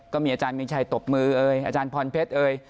อาจารย์มีชัยตบมือเอ่ยอาจารย์พรเพชรเอ่ย